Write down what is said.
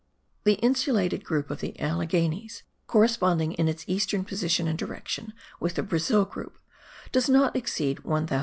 The insulated group of the Alleghenies, corresponding in its eastern position and direction with the Brazil group, does not exceed 1040 toises.